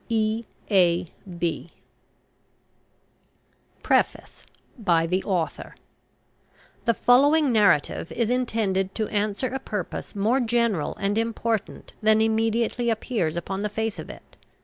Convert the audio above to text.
E. A. B. PREFACE BY THE AUTHOR. The following narrative is intended to answer a purpose more general and important than immediately appears upon the face of it.